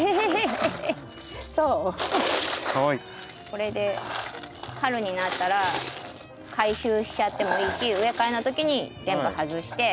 これで春になったら回収しちゃってもいいし植え替えの時に全部外して。